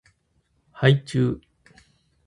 はいちゅう